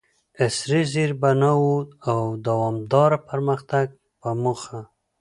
عصري زیربناوو او دوامداره پرمختګ په موخه،